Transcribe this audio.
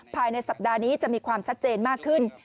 ภายในสัปดาห์นี้จะมีความชัดเจนมากขึ้น